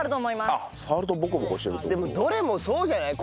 でもどれもそうじゃない？